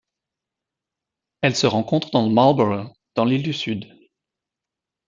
Elle se rencontre dans le Marlborough dans l'île du Sud.